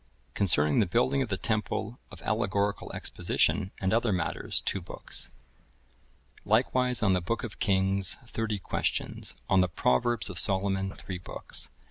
Concerning the Building of the Temple, of Allegorical Exposition, and other matters, two books. Likewise on the Book of Kings, thirty Questions.(1047) On the Proverbs of Solomon, three books.